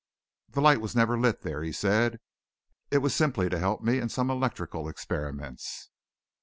"The light was never lit there," he said. "It was simply to help me in some electrical experiments."